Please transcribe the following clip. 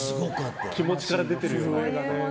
気持ちから出ているよね。